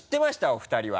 お二人は。